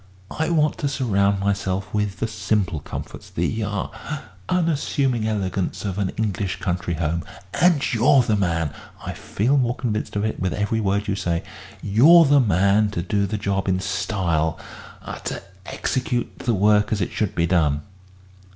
I want to surround myself with the simple comforts, the ah unassuming elegance of an English country home. And you're the man I feel more convinced of it with every word you say you're the man to do the job in style ah to execute the work as it should be done."